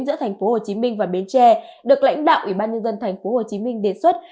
giữa tp hcm và bến tre được lãnh đạo ủy ban nhân dân tp hcm đề xuất